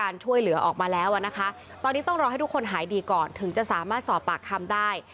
ร้อยต้องรอให้ทุกคนหายดีก่อนถึงจะสามารถสอบปากคำได้